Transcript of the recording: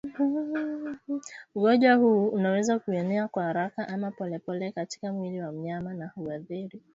Ugonjwa huu unaweza kuenea kwa haraka ama polepole katika mwili wa mnyama na huathiri